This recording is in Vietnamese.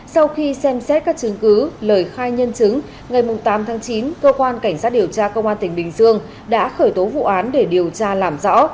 sau khi xem xét các chứng cứ lời khai nhân chứng ngày tám tháng chín cơ quan cảnh sát điều tra công an tỉnh bình dương đã khởi tố vụ án để điều tra làm rõ